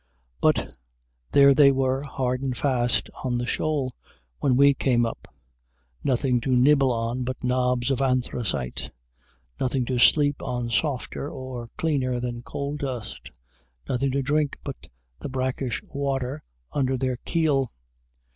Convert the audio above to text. But there they were, hard and fast on the shoal, when we came up. Nothing to nibble on but knobs of anthracite. Nothing to sleep on softer or cleaner than coal dust. Nothing to drink but the brackish water under their keel.